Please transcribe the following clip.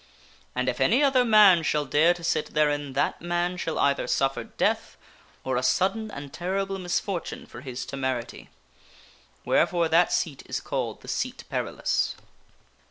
And if any other man shall dare to sit therein that man shall either suffer death or a sudden and terrible misfortune for his temerity. Wherefore that seat is called the Seat Perilous."